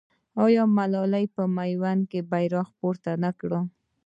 آیا ملالۍ په میوند کې بیرغ پورته نه کړ؟